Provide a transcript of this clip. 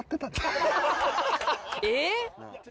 えっ！？